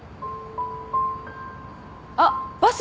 あっバス。